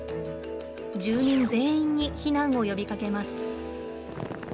住民全員に避難を呼びかけます。